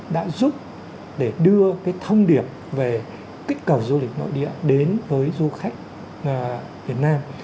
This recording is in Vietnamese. đã giúp để đưa thông điệp về kích cầu du lịch nội địa đến với du khách việt nam